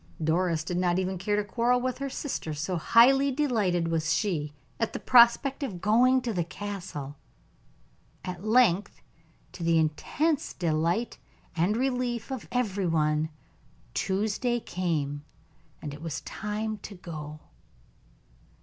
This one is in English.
Doris did not even care to quarrel with her sister, so highly delighted was she at the prospect of going to the Castle. At length, to the intense delight and the relief of every one, Tuesday came, and it was time to go.